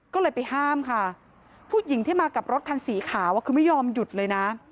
ก็เลยไปห้ามค่ะผู้หญิงที่มากับรถคันสีขาวคือไม่ยอมหยุดเลยนะ